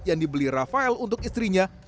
yang dibeli rafael untuk istrinya